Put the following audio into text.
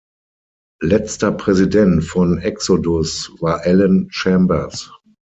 Letzter Präsident von Exodus war Alan Chambers.